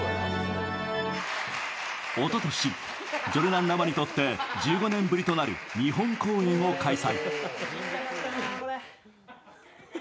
おととし、ジョルナン・ラマにとって１５年ぶりとなる日本公演を開催。